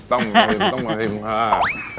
ต้องมาชิมค่ะ